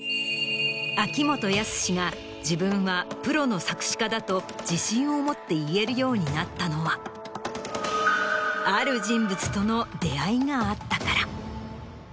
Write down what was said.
秋元康が自分はプロの作詞家だと自信を持って言えるようになったのはある人物との出会いがあったから。